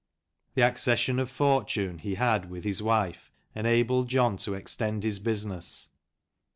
The accession of fortune he had with his wife enabled John to extend his business.